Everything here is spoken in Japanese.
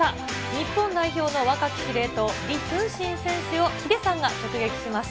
日本代表の若き司令塔、李承信選手をヒデさんが直撃しました。